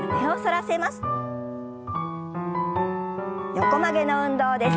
横曲げの運動です。